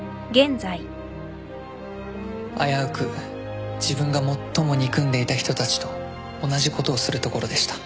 危うく自分が最も憎んでいた人たちと同じことをするところでした。